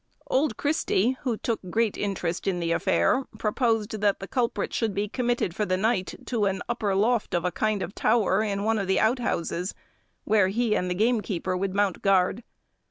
Old Christy, who took great interest in the affair, proposed that the culprit should be committed for the night to an upper loft of a kind of tower in one of the out houses, where he and the gamekeeper would mount guard.